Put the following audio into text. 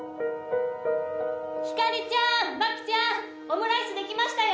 ひかりちゃん真紀ちゃんオムライス出来ましたよ！